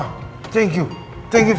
ah terima kasih